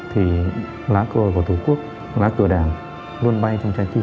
thì lá cờ của tổ quốc lá cờ đảng luôn bay trong trái tim